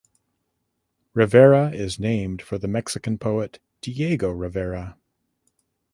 Rivera is named for the Mexican poet Diego Rivera.